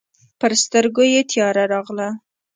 پر سترګو یې تياره راغله.